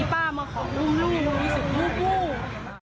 ป้ามาขอลูกลูก